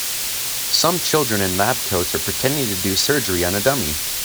Some children in lab coats are pretending to do surgery on a dummy.